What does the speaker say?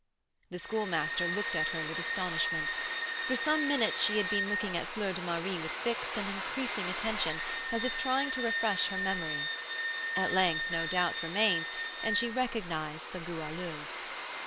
The Schoolmaster looked at her with astonishment. For some minutes she had been looking at Fleur de Marie with fixed and increasing attention, as if trying to refresh her memory. At length no doubt remained, and she recognised the Goualeuse.